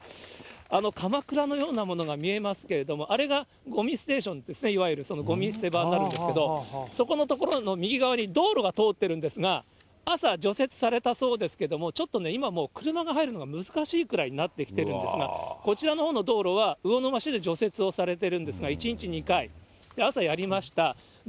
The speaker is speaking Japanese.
あのかまくらのようなものが見えますけれども、あれがごみステーションで、いわゆるごみ捨て場になるんですけど、そこの所の右側に道路が通ってるんですが、朝、除雪されたそうですけども、ちょっとね、今もう、車が入るのが難しいくらいになってきてるんですが、こちらのほうの道路は、魚沼市で除雪をされてるんですが、１日２回、朝やりました。